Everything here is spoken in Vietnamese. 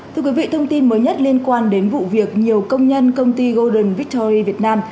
thưa quý vị thông tin mới nhất liên quan đến vụ việc nhiều công nhân công ty golden victory việt nam